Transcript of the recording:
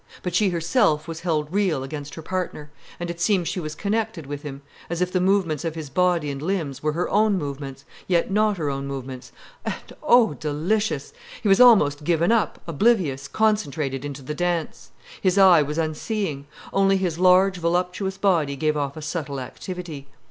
But she herself was held real against her partner, and it seemed she was connected with him, as if the movements of his body and limbs were her own movements, yet not her own movements—and oh, delicious! He also was given up, oblivious, concentrated, into the dance. His eye was unseeing. Only his large, voluptuous body gave off a subtle activity.